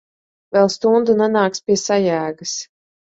Vēl stundu nenāks pie sajēgas.